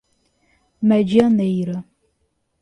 Medianeira